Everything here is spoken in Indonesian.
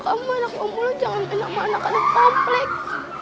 kalau kamu anak pemulung jangan sama anak anak pamplek